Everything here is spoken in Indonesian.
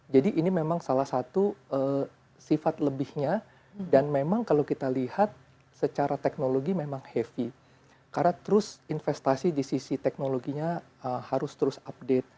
jadi ini memang salah satu sifat lebihnya dan memang kalau kita lihat secara teknologi memang heavy karena terus investasi di sisi teknologinya harus terus update